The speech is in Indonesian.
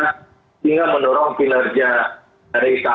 hingga mendorong kinerja dari saham